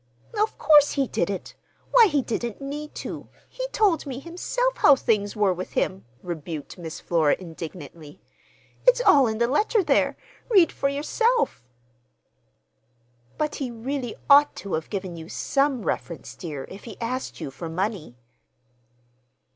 "Of course he didn't! Why, he didn't need to. He told me himself how things were with him," rebuked Miss Flora indignantly. "It's all in the letter there. Read for yourself." "But he really ought to have given you some reference, dear, if he asked you for money."